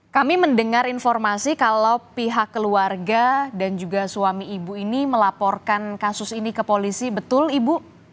kami mendengar informasi kalau pihak keluarga dan juga suami ibu ini melaporkan kasus ini ke polisi betul ibu